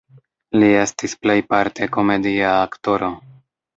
Li estis plejparte komedia aktoro.